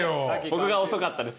僕が遅かったです